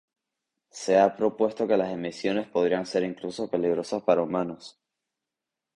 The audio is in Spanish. Se ha propuesto que las emisiones podrían ser incluso peligrosas para humanos.